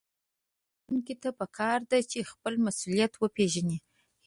ښوونکي ته پکار ده چې خپل مسؤليت وپېژني.